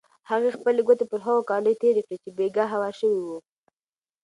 هغې خپلې ګوتې پر هغو کالیو تېرې کړې چې بېګا هوار شوي وو.